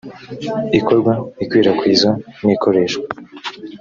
ikorwa ikwirakwizwa n ikoreshwa